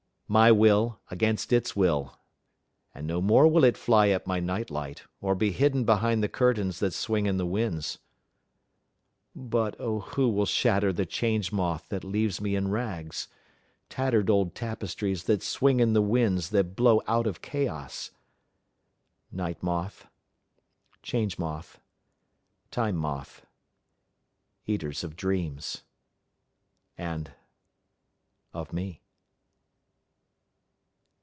My will against its will, and no more will it fly at my night light or be hidden behind the curtains that swing in the winds.(But O who will shatter the Change Moth that leaves me in rags—tattered old tapestries that swing in the winds that blow out of Chaos!)Night Moth, Change Moth, Time Moth, eaters of dreams and of me!